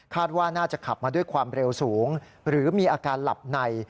ว่าน่าจะขับมาด้วยความเร็วสูงหรือมีอาการหลับใน